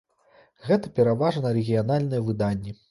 Гэта пераважна рэгіянальныя выданні.